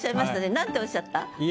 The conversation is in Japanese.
何ておっしゃった？